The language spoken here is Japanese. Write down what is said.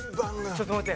ちょっと待って。